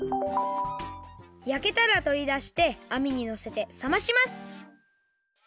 やけたらとりだしてあみにのせてさまします。